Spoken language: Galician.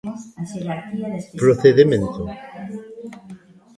Procedemento.